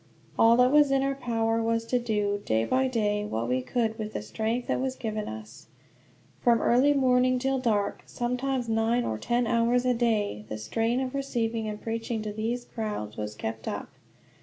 All that was in our power was to do, day by day, what we could with the strength that was given us. From early morning till dark, sometimes nine or ten hours a day, the strain of receiving and preaching to these crowds was kept up.